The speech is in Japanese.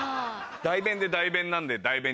大便で代弁なんで。